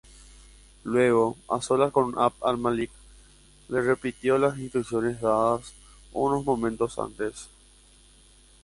Luego, a solas con Abd al-Malik, le repitió las instrucciones dadas unos momentos antes.